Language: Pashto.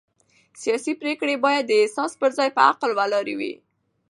سیاسي پرېکړې باید د احساس پر ځای پر عقل ولاړې وي